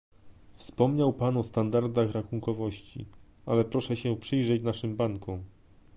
Wspomniał pan o standardach rachunkowości, ale proszę się przyjrzeć naszym bankom